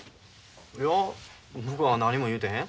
いや僕は何も言うてへん。